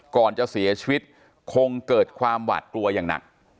ก่อนจะเสียชีวิตคงเกิดความหวาดกลัวอย่างหนัก